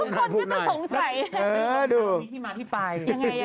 แล้วทุกคนพี่ไม่ต้องสงสัย